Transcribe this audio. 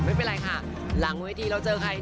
ไม่เป็นไรค่ะหลังเวทีเราเจอใคร